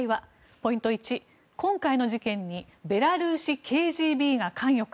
ポイント１、今回の事件にベラルーシＫＧＢが関与か。